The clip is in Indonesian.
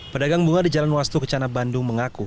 pada gang bunga di jalan wastu kecana bandung mengaku